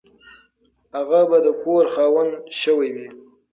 هغه به د کور خاوند شوی وي.